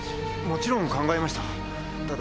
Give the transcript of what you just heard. もちろん考えました。